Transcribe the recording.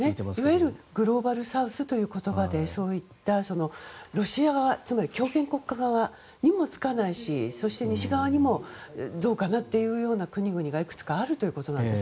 いわゆるグローバルサウスという言葉でそういったロシア側つまり強権国家側にもつかないしそして西側にもどうかなっていうような国々がいくつかあるということなんです。